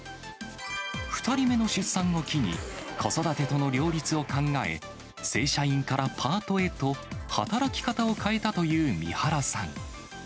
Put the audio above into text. ２人目の出産を機に、子育てとの両立を考え、正社員からパートへと、働き方を変えたという三原さん。